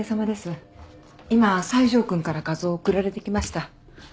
今西條君から画像送られてきました。